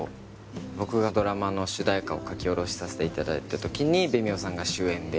僕がドラマの主題歌を書き下ろしさせていただいた時にべみほさんが主演で。